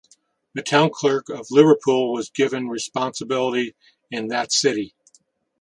The town clerk of Liverpool was given responsibility in that city.